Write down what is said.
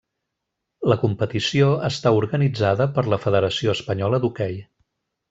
La competició està organitzada per la Federació Espanyola d'Hoquei.